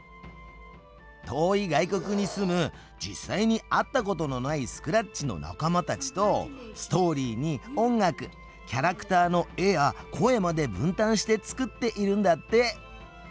遠い外国に住む実際に会ったことのないスクラッチの仲間たちとストーリーに音楽キャラクターの絵や声まで分担して作っているんだって。